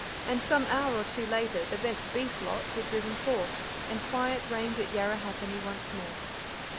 And some hour or two later the best "beef" lot were driven forth, and quiet reigned at Yarrahappini once more.